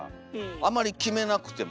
あまり決めなくても。